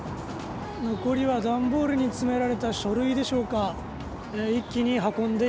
残りは段ボールに詰められた書類でしょうか。